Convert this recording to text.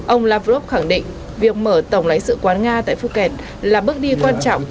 ông lavrov khẳng định việc mở tổng lãnh sự quán nga tại phuket là bước đi quan trọng